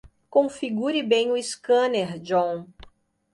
Configure bem o scanner, John.